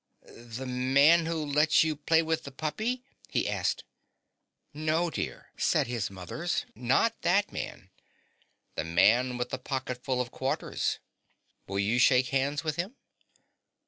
"The Man Who Lets You Play with the Puppy?" he asked. "No, dear," said his mothers, "not that man The Man with the Pocketful of Quarters. Will you shake hands with him?"